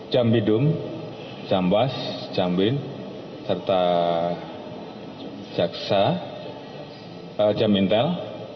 jambi dum jambas jambin serta jaksa jambintel